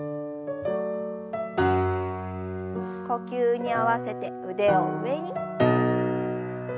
呼吸に合わせて腕を上に。